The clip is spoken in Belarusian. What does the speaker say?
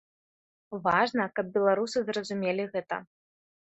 Важна, каб беларусы зразумелі гэта.